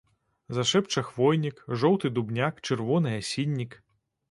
Зашэпча хвойнік, жоўты дубняк, чырвоны асіннік.